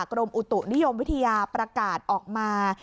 กรมอุตุนิยมวิทยาประกาศออกมา